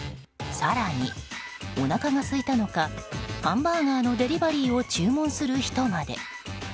更に、おなかがすいたのかハンバーガーのデリバリーを注文する人まで。